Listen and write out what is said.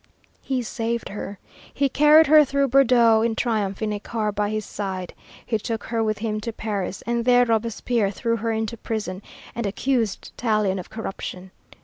He saved her; he carried her through Bordeaux in triumph in a car by his side. He took her with him to Paris, and there Robespierre threw her into prison, and accused Tallien of corruption.